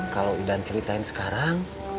kalau idan ceritain sekarang